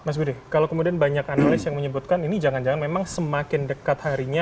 mas budi kalau kemudian banyak analis yang menyebutkan ini jangan jangan memang semakin dekat harinya